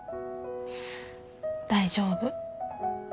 大丈夫。